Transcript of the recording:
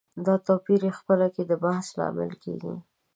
دا توپيرونه یې خپله کې د بحث لامل کېږي.